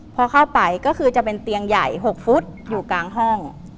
พอเข้าไปก็คือจะเป็นเตียงใหญ่๖ฟุตอยู่กลางห้อง